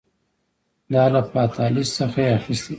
دا له فاتالیس څخه یې اخیستي دي